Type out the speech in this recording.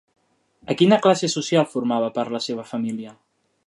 A quina classe social formava part la seva família?